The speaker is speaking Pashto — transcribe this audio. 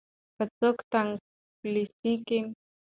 که څوک تنګلاسی وي مرسته ورسره وکړئ.